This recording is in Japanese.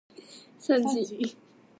さんじ